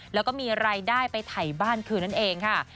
แล้วก็มีรายได้ไปถ่ายบ้านคืนนั่นเองค่ะ